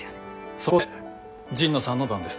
そこで神野さんの出番です。